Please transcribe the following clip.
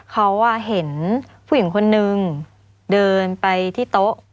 เขาเห็นผู้หญิงคนนึงเดินไปที่โต๊ะ